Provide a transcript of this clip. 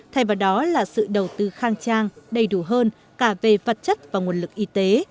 thay vào đó là sự đầu tư khang trang đầy đủ hơn cả về vật chất và nguồn lực y tế